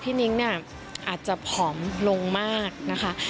นิ้งเนี่ยอาจจะผอมลงมากนะคะ